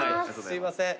すいません。